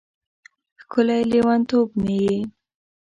ښکلی لیونتوب مې یې